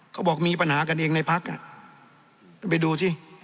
เขาบอกมีปัญหากันเองในพักอ่ะท่านไปดูสิ